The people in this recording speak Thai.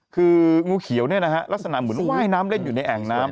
คืองูเขียวเนี่ยนะฮะลักษณะเหมือนว่ายน้ำเล่นอยู่ในแอ่งน้ำ